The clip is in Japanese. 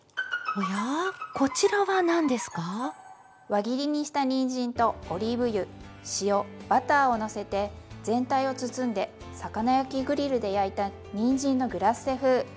輪切りにしたにんじんとオリーブ油塩バターをのせて全体を包んで魚焼きグリルで焼いたにんじんのグラッセ風。